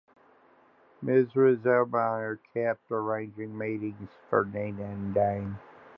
Mrs. Almayer kept arranging meetings for Nina and Dain.